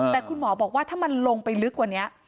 แต่คุณหมอบอกว่าถ้ามันลงไปลึกกว่านี้